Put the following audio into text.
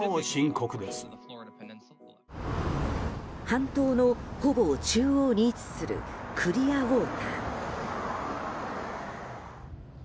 半島のほぼ中央に位置するクリアウォーター。